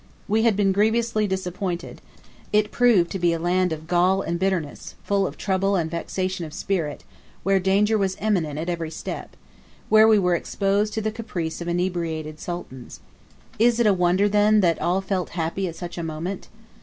We had been grievously disappointed; it proved to be a land of gall and bitterness, full of trouble and vexation of spirit, where danger was imminent at every step where we were exposed to the caprice of inebriated sultans. Is it a wonder, then, that all felt happy at such a moment?